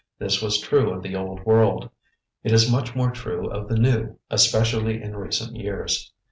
This was true of the old world; it is much more true of the new, especially in recent years.